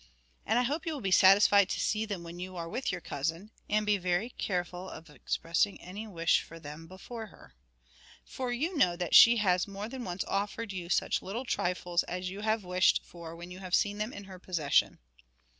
And I hope you will be satisfied to see them when you are with your cousin, and be very careful of expressing any wish for them before her. For you know that she has more than once offered you such little trifles as you have wished for when you have seen them in her possession.'